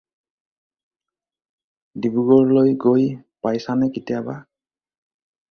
ডিব্ৰুগড়লৈ গৈ পাইছানে কেতিয়াবা?